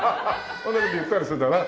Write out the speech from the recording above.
そんな事言ったりするんだな。